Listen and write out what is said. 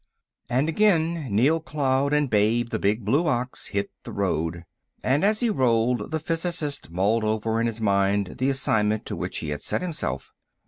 And again Neal Cloud and Babe, the big blue ox, hit the road. And as he rolled the physicist mulled over in his mind the assignment to which he had set himself.